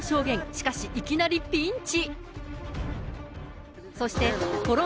しかし、いきなりピンチ。